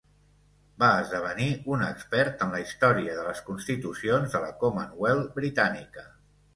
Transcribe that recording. Va esdevenir un expert en la història de les constitucions de la Commonwealth britànica.